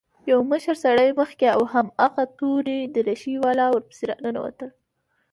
يو مشر سړى مخکې او هماغه تورې دريشۍ والا ورپسې راننوتل.